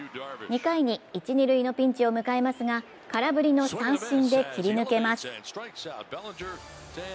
２回に一・二塁のピンチを迎えますが、空振りの三振で切り抜けます。